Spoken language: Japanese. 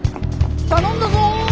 頼んだぞ！